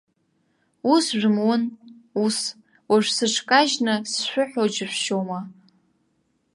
Ус жәымун, ус, уажә сыҽкажьны сшәыҳәо џьышәшьома?